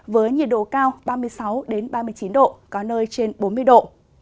với nhiệt độ cao ba mươi sáu ba mươi chín độ có nơi trên bốn mươi độ